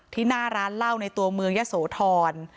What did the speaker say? หน้าร้านเหล้าในตัวเมืองยะโสธร